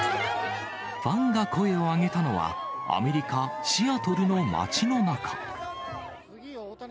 ファンが声を上げたのは、アメリカ・シアトルの町の中。